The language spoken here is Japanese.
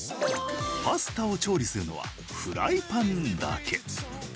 パスタを調理するのはフライパンだけ。